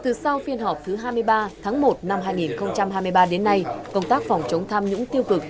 từ sau phiên họp thứ hai mươi ba tháng một năm hai nghìn hai mươi ba đến nay công tác phòng chống tham nhũng tiêu cực